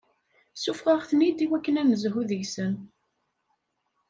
Ssufeɣ-aɣ-ten-id iwakken ad n-nezhu deg-sen.